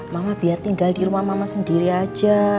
mama biar tinggal dirumah mama sendiri aja